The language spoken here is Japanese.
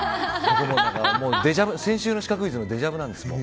先週のシカクイズのデジャブなんです。